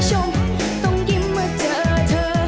ชมต้องกินเมื่อเจอเธอ